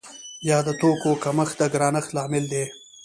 یا د توکو کمښت د ګرانښت لامل دی؟